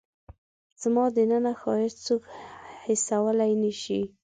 زما دننه ښایست څوک حسولای نه شي